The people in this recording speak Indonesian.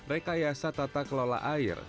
rekayasa tata kelola air